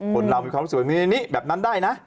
คนเรามีความรู้สึกว่านี่แบบนั้นได้นะ